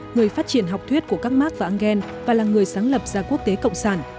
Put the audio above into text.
người phát triển học thuyết của các mark và engel và là người sáng lập ra quốc tế cộng sản